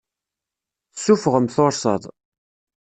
Tessuffɣem tursaḍ.